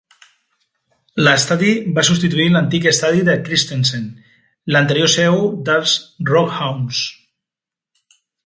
L'estadi va substituir l'antic estadi de Christensen, l'anterior seu dels RockHounds.